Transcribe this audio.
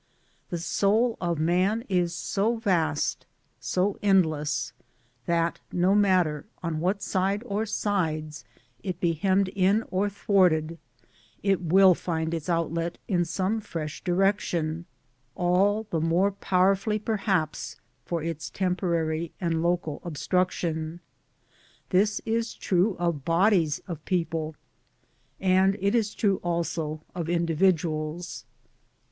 The soul of man is so vast, so endless, that no matter on what side or sides it be hemmed in or thwarted, it will find its outlet in some fresh directionall the more powerfully perhaps for its temporary and local obstruction. This is true of bodies of people, and it is true also of individuals.